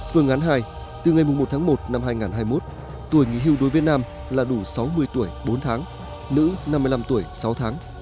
phương án hai từ ngày một tháng một năm hai nghìn hai mươi một tuổi nghỉ hưu đối với nam là đủ sáu mươi tuổi bốn tháng nữ năm mươi năm tuổi sáu tháng